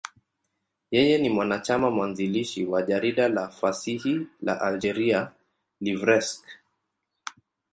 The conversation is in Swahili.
Yeye ni mwanachama mwanzilishi wa jarida la fasihi la Algeria, L'Ivrescq.